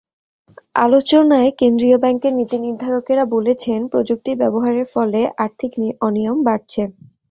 আলোচনায় কেন্দ্রীয় ব্যাংকের নীতিনির্ধারকেরা বলেছেন, প্রযুক্তির ব্যবহারের ফলে আর্থিক অনিয়ম বাড়ছে।